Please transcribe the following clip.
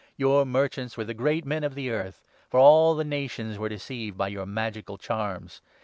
Your merchants were the great men of the earth, for all the nations were deceived by your magical charms.